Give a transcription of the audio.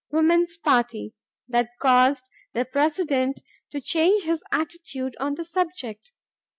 woman's party, that caused the President to change his attitude on the subject.